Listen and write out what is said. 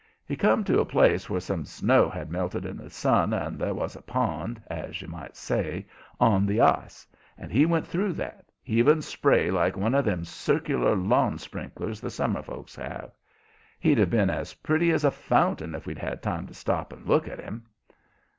He come to a place where some snow had melted in the sun and there was a pond, as you might say, on the ice, and he went through that, heaving spray like one of them circular lawn sprinklers the summer folks have. He'd have been as pretty as a fountain, if we'd had time to stop and look at him.